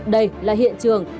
đây là hiện trường